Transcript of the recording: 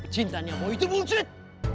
cintanya boy itu bullshit